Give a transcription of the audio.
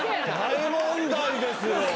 大問題ですよ。